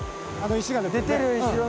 あの石が出てるね。